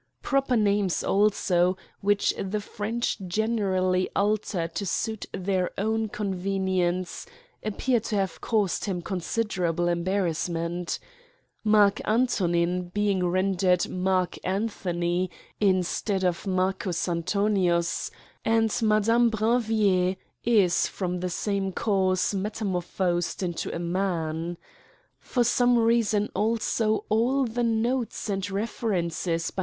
Proper names also, which the French generally alter to suit their own con venience, appear to have caused him consider able embarrassment : ^Mark Antonin being ren dered Mark Anthony, instead of Marcus Anto nins ; and Madame Brinviiiiers, is, from the same cause, metamorphosed into a man. For some reason also all the notes and references by M.